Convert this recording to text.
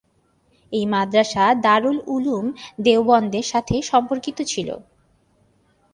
এই মাদ্রাসা দারুল উলুম দেওবন্দের সাথে সম্পর্কিত ছিল।